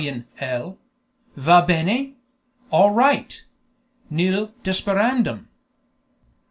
_Va bene! All right! Nil desperandum!